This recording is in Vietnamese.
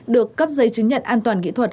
được cấp giấy chứng nhận an toàn kỹ thuật